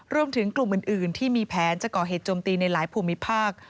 รวมถึงกลุ่มอื่นที่มีแผนจะก่อเหตุจมตีในหลายภูมิภาค